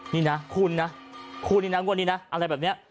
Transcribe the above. นี่นะคุณนะคุณนี่นะงวดนี้นะอะไรแบบนี้